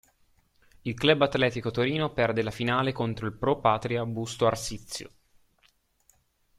Il Club Atletico Torino perde la finale contro il Pro Patria Busto Arsizio.